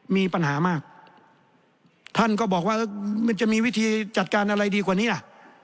มีปัญหามากท่านก็บอกว่ามันจะมีวิธีจัดการอะไรดีกว่านี้ล่ะ